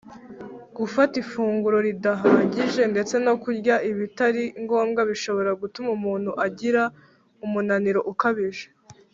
Gufata ifunguro ridahagije ndetse no kurya ibitari ngombwa bishobora gutuma umuntu agira umunaniro ukabije